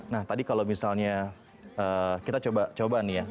nah tadi kalau misalnya kita coba coba nih ya